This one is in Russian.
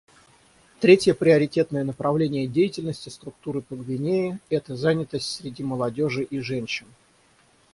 Третье приоритетное направление деятельности Структуры по Гвинее — это занятость среди молодежи и женщин.